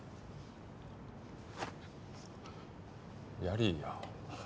やりいや。